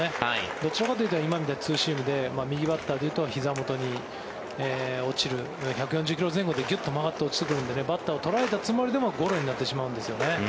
どちらかというと今みたいにツーシームで左バッターで言うとひざ元に落ちる１４０ｋｍ前後でぎゅっと曲がって落ちてくるのでバッターは捉えたつもりでもゴロになってしまうんですよね。